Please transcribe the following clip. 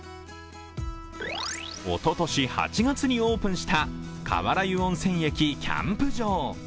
おととし８月にオープンした川原湯温泉駅キャンプ場。